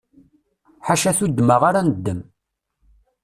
Ḥaca tuddma ara neddem.